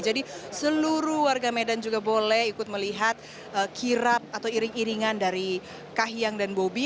jadi seluruh warga medan juga boleh ikut melihat kirap atau iring iringan dari kahiyang dan bobi